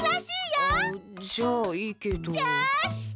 よし！